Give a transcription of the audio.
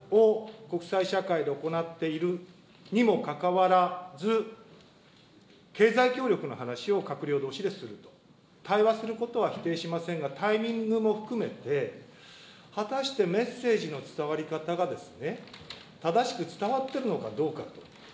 ２、３日前は、制裁の検討を国際社会で行っているにもかかわらず、経済協力の話を閣僚どうしですると。対話することは否定しませんが、タイミングも含めて、果たしてメッセージの伝わり方がですね、正しく伝わってるのかどうかと。